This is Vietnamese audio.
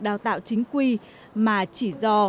đào tạo chính quy mà chỉ do